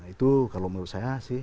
itu kalau menurut saya